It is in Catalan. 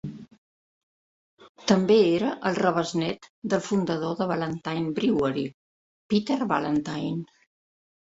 També era el rebesnet del fundador de Ballantine Brewery, Peter Ballantine.